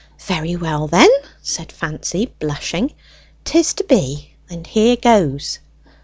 "Very well, then," said Fancy, blushing. "'Tis to be, and here goes!"